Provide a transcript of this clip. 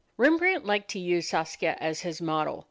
Rembrandt liked to use Saskia as his model.